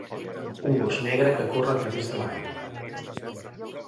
Un gos negre que corre a través de l'aigua